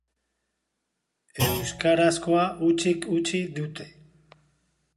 Euskarazkoa hutsik utzi dute.